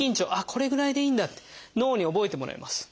これぐらいでいいんだって脳に覚えてもらいます。